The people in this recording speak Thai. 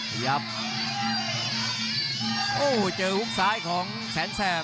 ขยับโอ้โหเจอฮุกซ้ายของแสนแสบ